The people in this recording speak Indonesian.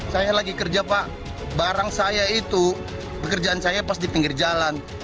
saya lagi kerja pak barang saya itu pekerjaan saya pas di pinggir jalan